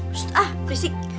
pst ah berisik